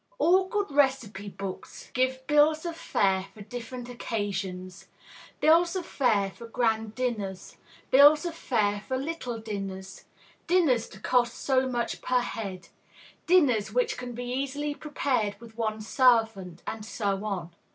All good recipe books give bills of fare for different occasions, bills of fare for grand dinners, bills of fare for little dinners; dinners to cost so much per head; dinners "which can be easily prepared with one servant," and so on.